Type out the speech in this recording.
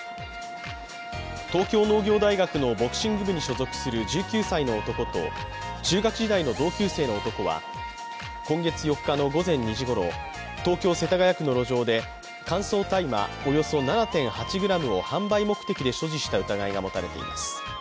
東京農業大学のボクシング部に所属する１９歳の男と中学時代の同級生の男は今月４日の午前２時ごろ、東京・世田谷区の路上で乾燥大麻およそ７．８ｇを販売目的で所持した疑いが持たれています。